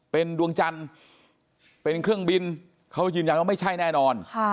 เป็นดวงจันทร์เป็นเครื่องบินเขายืนยันว่าไม่ใช่แน่นอน